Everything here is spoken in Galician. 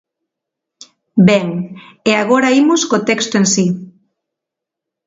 Ben, e agora imos co texto en si.